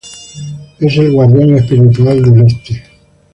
Es el Guardián Espiritual del Este.